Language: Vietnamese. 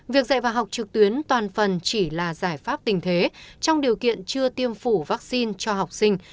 việc dạy và học trực tuyến toàn phần chỉ là giải pháp tình thế trong điều kiện chưa tiêm phủ vaccine cho học sinh